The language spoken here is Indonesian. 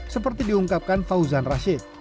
seperti diungkapkan fauzan rashid